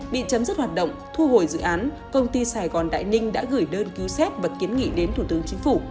bị chấm dứt hoạt động thu hồi dự án công ty sài gòn đại ninh đã gửi đơn cứu xét và kiến nghị đến thủ tướng chính phủ